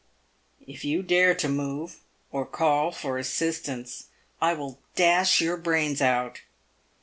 " If you dare to move or call for assistance I will dash your brains out."